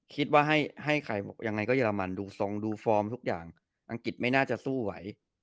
คิดว่าให้ใครยังไงก็เรมันดูทรงดูฟอร์มทุกอย่างอังกฤษไม่น่าจะสู้ไหว